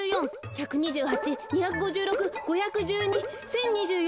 １２８２５６５１２１，０２４。